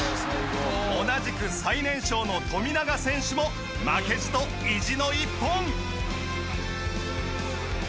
同じく最年少の富永選手も負けじと意地の一本。